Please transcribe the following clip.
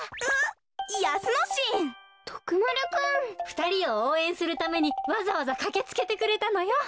ふたりをおうえんするためにわざわざかけつけてくれたのよ。